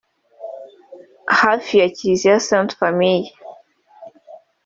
hafi ya Kiliziya Sainte Famille